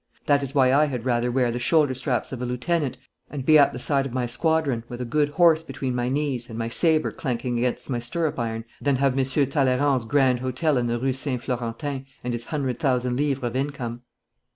That is why I had rather wear the shoulder straps of a lieutenant, and be at the side of my squadron, with a good horse between my knees and my sabre clanking against my stirrup iron, than have Monsieur Talleyrand's grand hotel in the Rue Saint Florentin, and his hundred thousand livres of income.'